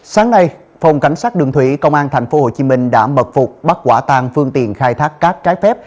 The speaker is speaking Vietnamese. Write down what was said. sáng nay phòng cảnh sát đường thủy công an tp hcm đã mật phục bắt quả tàng phương tiện khai thác cát trái phép